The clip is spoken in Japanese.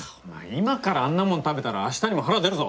今からあんなもん食べたら明日にも腹出るぞ。